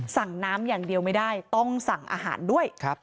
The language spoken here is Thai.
สั่งน้ำอย่างเดียวไม่ได้ต้องสั่งอาหารด้วย